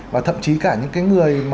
và thậm chí cả những người